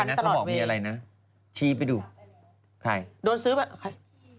อะไรนะเค้าบอกมีอะไรนะชี้ไปดูใครโดนซื้อไป